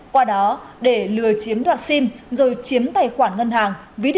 qua đó để lừa chiếm đoạt xin rồi chiếm tài khoản